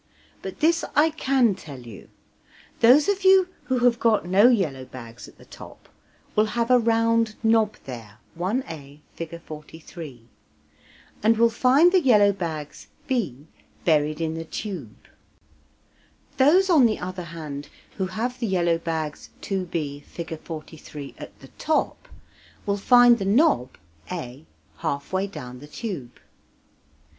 But this I can tell you:those of you who have got no yellow bags at the top will have a round knob there (I a, Fig. 43), and will find the yellow bags (b) buried in the tube. Those, on the other hand, who have the yellow bags (2 b, Fig. 43) at the top will find the knob (a) half way down the tube.